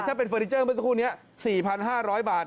ถ้าเป็นเฟอร์นิเจอร์เมื่อสักครู่นี้๔๕๐๐บาท